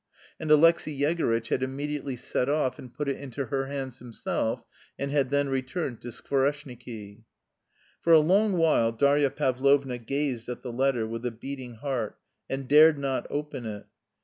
And Alexey Yegorytch had immediately set off and put it into her hands himself and had then returned to Skvoreshniki. For a long while Darya Pavlovna gazed at the letter with a beating heart, and dared not open it.